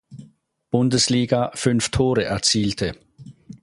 Bundesliga fünf Tore erzielte.